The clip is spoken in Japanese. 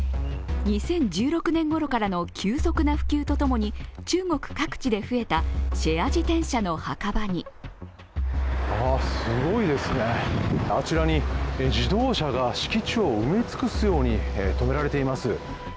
２０１６年ごろからの、急速な普及とともに中国各地で増えたシェア自転車の墓場にすごいですね、あちらに自動車が敷地を埋め尽くすようにとめられています。